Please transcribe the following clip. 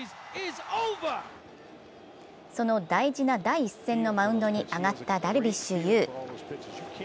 その大事な第１戦のマウンドに上がったダルビッシュ有。